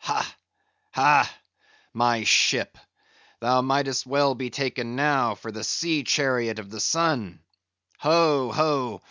"Ha, ha, my ship! thou mightest well be taken now for the sea chariot of the sun. Ho, ho!